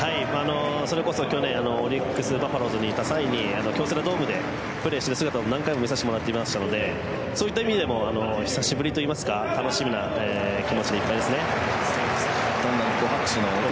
それこそ去年オリックス・バファローズにいた際に京セラドームでプレーしている姿を何回も見させてもらったのでそういう意味では久しぶりというか楽しみな気持ちでいっぱいですね。